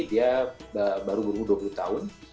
dia baru berumur dua puluh tahun